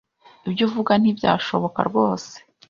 Ibyo uvuga ntibyashoboka rwose!